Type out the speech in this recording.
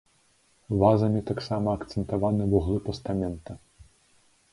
Вазамі таксама акцэнтаваны вуглы пастамента.